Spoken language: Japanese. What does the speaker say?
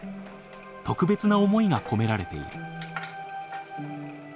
特別な思いが込められている。